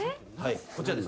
こちらです。